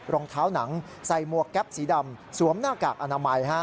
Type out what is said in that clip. รองเท้าหนังใส่หมวกแก๊ปสีดำสวมหน้ากากอนามัย